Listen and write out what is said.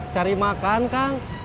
cari makan kang